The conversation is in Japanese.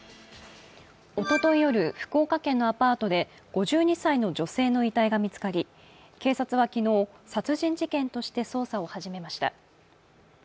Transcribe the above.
おととい夜、福岡県のアパートで５２歳の女性の遺体が見つかり警察は昨日、殺人事件として捜査を始めました。